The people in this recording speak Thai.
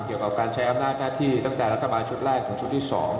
เกี่ยวกับการใช้อำนาจหน้าที่ตั้งแต่รัฐบาลชุดแรกของชุดที่๒